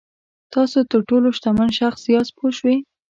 تاسو تر ټولو شتمن شخص یاست پوه شوې!.